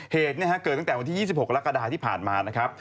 เหตุเนี่ยเกิดตั้งแต่วิทยาลักษณ์๒๖พฆ่ากะดายที่ผ่านมานะครับ